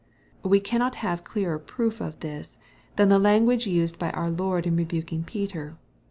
We cannot have clearer proof of this, than the language used by our Lord in rebuking Peter.